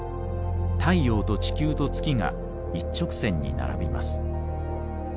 太陽と地球と月が一直線に並びます。